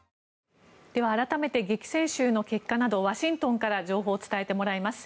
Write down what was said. では改めて激戦州の結果などワシントンから情報を伝えてもらいます。